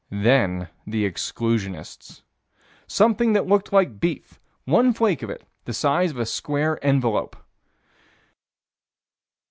Then the exclusionists. Something that looked like beef: one flake of it the size of a square envelope.